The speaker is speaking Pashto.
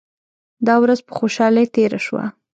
دا ورځ په خوشالۍ تیره شوه.